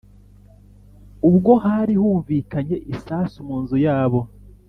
ubwo hari humvikanye isasu munzu yabo